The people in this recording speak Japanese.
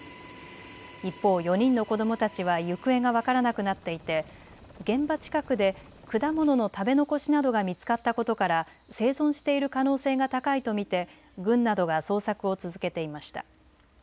一方、４人の子どもたちは行方が分からなくなっていて現場近くで果物の食べ残しなどが見つかったことから生存している可能性が高いと見て軍などが捜索を続けていました。